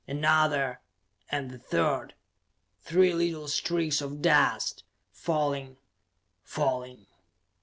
Another ... and the third. Three little streaks of dust, falling, falling....